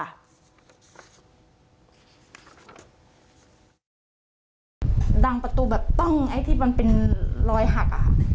ดังประตูแบบต้องไอ้ที่มันเป็นรอยหัก